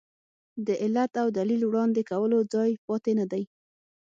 د علت او دلیل وړاندې کولو ځای پاتې نه دی.